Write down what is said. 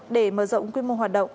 để mở rộng quy mô hoạt động